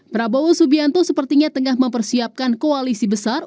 prabowo subianto sepertinya tengah mempersiapkan koalisi besar